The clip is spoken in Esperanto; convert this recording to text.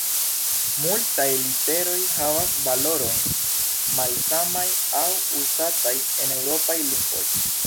Multaj literoj havas valorojn malsamaj al uzataj en eŭropaj lingvoj.